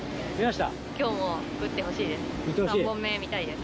きょうも打ってほしいです。